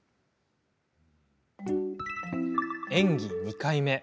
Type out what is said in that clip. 演技２回目。